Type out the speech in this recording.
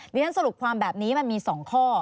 ในทั้งสรุปความแบบนี้มันมีสองข้อ